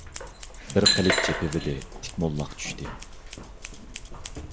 بىر قىلىچ چېپىۋىدى، تىك موللاق چۈشتى.